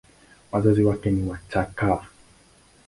Wakazi wake ni Wachagga.